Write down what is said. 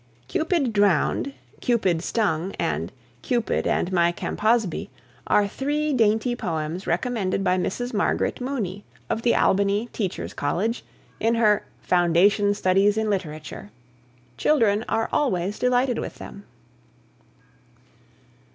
"Cupid Drowned" (1784 1859), "Cupid Stung" (1779 1852), and "Cupid and My Campasbe" (1558 1606) are three dainty poems recommended by Mrs. Margaret Mooney, of the Albany Teachers' College, in her "Foundation Studies in Literature." Children are always delighted with them.